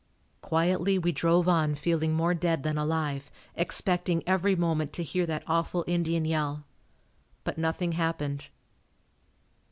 Quietly we drove on feeling more dead than alive, expecting every moment to hear that awful Indian yell. But nothing happened.